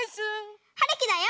はるきだよ。